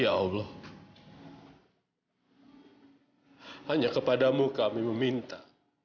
ya allah hanya kepadamu kami meminta